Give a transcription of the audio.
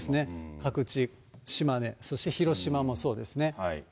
各地、島根、そして広島もそうですね。